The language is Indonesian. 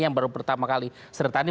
yang baru pertama kali serta ini